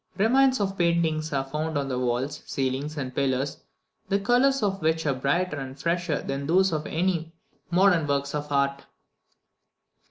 Remains of paintings are found on the walls, ceiling, and pillars, the colours of which are brighter and fresher than those of many modern works of art.